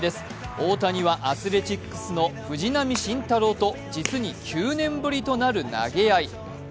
大谷はアスレチックスの藤浪晋太郎と実に９年ぶりとなる投げ合い。